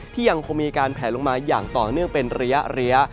ยังคงมีการแผลลงมาอย่างต่อเนื่องเป็นระยะ